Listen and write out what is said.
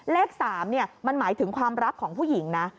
เลข๓มันหมายถึงความรักของผู้หญิงนะ